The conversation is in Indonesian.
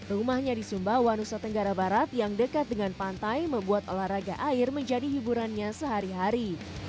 rumahnya di sumba wanusa tenggara barat yang dekat dengan pantai membuat olahraga air menjadi hiburannya sehari hari